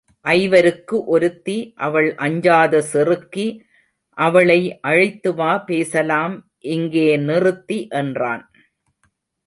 ஐவருக்கு ஒருத்தி அவள் அஞ்சாத சிறுக்கி அவளை அழைத்துவா பேசலாம் இங்கே நிறுத்தி என்றான்.